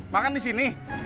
makan di sini